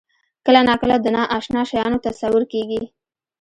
کله ناکله د نااشنا شیانو تصور کېږي.